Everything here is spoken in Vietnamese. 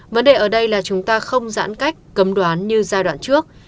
vấn đề ở đây là chúng ta không giãn cách cấm đoán như giai đoạn trước